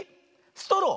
ストロー。